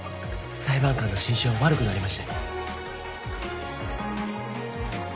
裁判官の心証悪くなりましたよ。